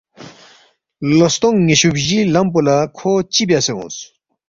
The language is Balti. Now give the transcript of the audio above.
لو ستونگ نِ٘یشُو بجی لم پو لہ کھو چِہ بیاسے اونگس